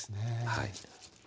はい。